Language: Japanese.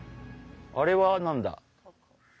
あれは何だ？